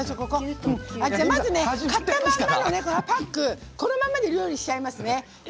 まず、買ったままのパックこのままで料理します。